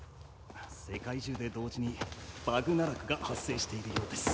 世界中で同時にバグナラクが発生しているようです。